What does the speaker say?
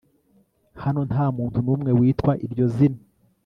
Hano ntamuntu numwe witwa iryo zina